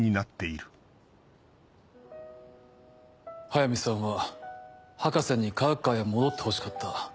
速水さんは博士に科学界へ戻ってほしかった。